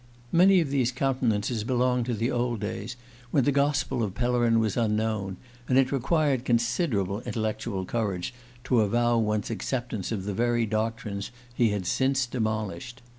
Many of these countenances belonged to the old days, when the gospel of Pellerin was unknown, and it required considerable intellectual courage to avow one's acceptance of the very doctrines he had since demolished.